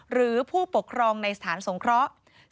หรือผู้ปกครองในสถานสงเคราะห์